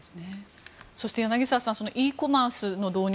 そして、柳澤さんｅコマースの導入。